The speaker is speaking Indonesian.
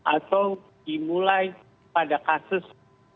atau dimulai pada kasus lima puluh empat